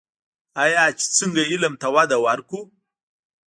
آیا چې څنګه علم ته وده ورکړو؟